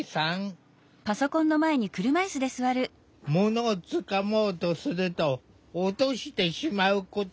ものをつかもうとすると落としてしまうことが多いという。